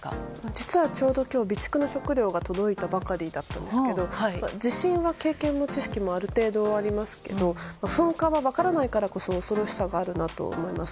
実は今日、ちょうど備蓄の食料が届いたばかりなんですが地震は経験も知識もある程度ありますけど噴火は分からないからこそ恐ろしさがあるなと思います。